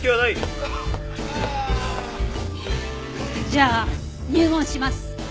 じゃあ入門します。